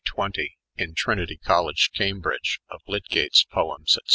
20 in Trinity College, Cambridge, of lydgate's Poems, &c.